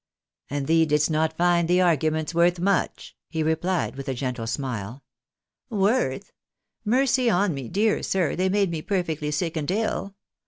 " And tliee didst not find the arguments worth much ?" he rephed, with a gentle smile. " Worth ? Mercy on me, dear sir, they made me perfectly sick and ill.